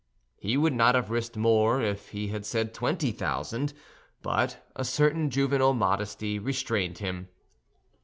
He would not have risked more if he had said twenty thousand; but a certain juvenile modesty restrained him.